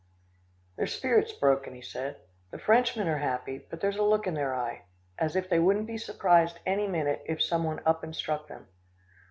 "Their spirit's broken," he said. "The Frenchmen are happy, but there's a look in their eye, as if they wouldn't be surprised any minute, if some one up and struck them."